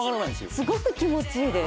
すごく気持ちいいです